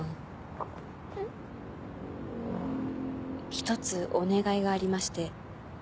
ひとつお願いがありまして。